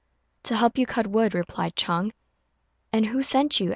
"To help you cut wood," replied Ch'êng. "And who sent you?"